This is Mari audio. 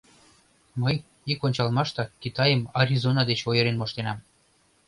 Мый ик ончалмаштак Китайым Аризона деч ойырен моштенам.